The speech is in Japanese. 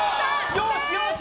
よしよし！